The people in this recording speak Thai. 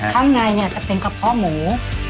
ข้างในเนี่ยจะเต็มกับข้อหมู